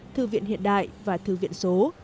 thư viện hiện đại và thư viện số